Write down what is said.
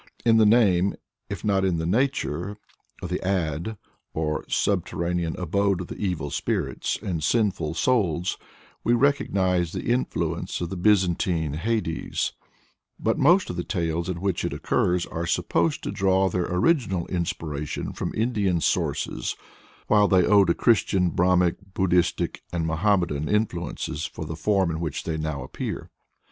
In the name, if not in the nature, of the Ad, or subterranean abode of evil spirits and sinful souls, we recognize the influence of the Byzantine Hades; but most of the tales in which it occurs are supposed to draw their original inspiration from Indian sources, while they owe to Christian, Brahmanic, Buddhistic, and Mohammedan influences the form in which they now appear.